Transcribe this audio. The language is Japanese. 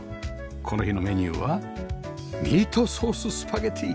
この日のメニューはミートソーススパゲティ